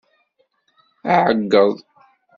Ɛeggeḍ!